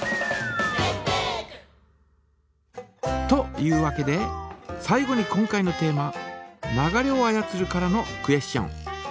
というわけで最後に今回のテーマ「流れを操る」からのクエスチョン。